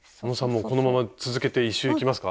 もうこのまま続けて１周いきますか？